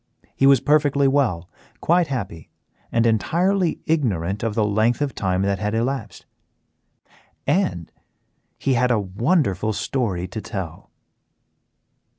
He was perfectly well, quite happy, and entirely ignorant of the length of time that had elapsed. And he had a wonderful story to tell.